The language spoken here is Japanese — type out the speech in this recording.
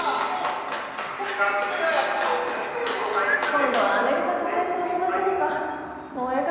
今度はアメリカと戦争しますのかもうええ